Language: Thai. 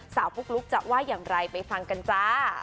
ปุ๊กลุ๊กจะว่าอย่างไรไปฟังกันจ้า